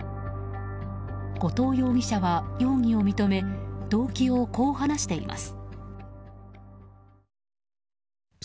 後藤容疑者は容疑を認め動機をこう話しています。